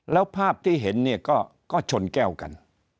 แล้วภาพที่เห็นเนี่ยก็ชนแก้วกัน